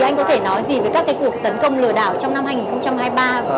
anh có thể nói gì về các cuộc tấn công lừa đảo trong năm hai nghìn hai mươi ba